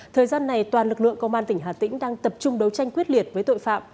thời gian này toàn lực lượng công an tỉnh hà tĩnh đang tập trung đấu tranh quyết liệt với tội phạm